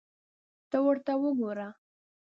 ته ورته وګوره !